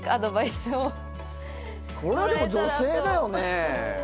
これはでも女性だよね